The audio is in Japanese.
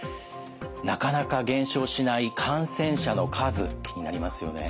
なかなか減少しない感染者の数気になりますよね。